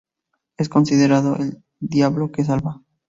Es considerado el Diablo que salva.